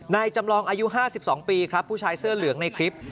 จำลองอายุ๕๒ปีครับผู้ชายเสื้อเหลืองในคลิป